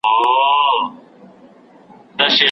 د ځناورو له خاندان دی